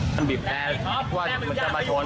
มันบิบแรงคือมันจะมาชน